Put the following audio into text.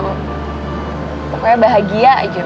pokoknya bahagia aja udah